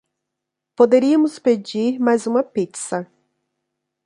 Poderíamos pedir mais uma pizza